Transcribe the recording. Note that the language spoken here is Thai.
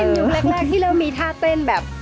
ถ้าเป็นยุคเล็กที่เรามีท่าเต้นแบบ